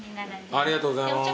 ありがとうございます。